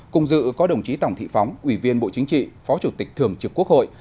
cùng dự có đồng chí tổng thị phóng ủy viên bộ chính trị phó chủ tịch thường trực quốc hội